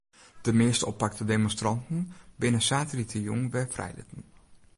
De measte oppakte demonstranten binne saterdeitejûn wer frijlitten.